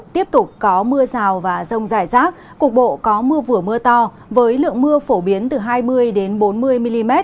tiếp tục có mưa rào và rông rải rác cục bộ có mưa vừa mưa to với lượng mưa phổ biến từ hai mươi bốn mươi mm